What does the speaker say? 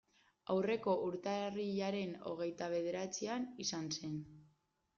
Aurreko urtarrilaren hogeita bederatzian izan zen.